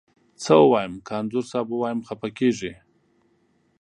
څه ووایم، که انځور صاحب ووایم خپه کږې.